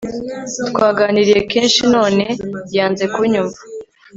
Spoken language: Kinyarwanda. twaganiriye kenshi none yanze kunyumva